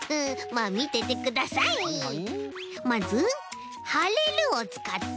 まず「はれる」をつかって。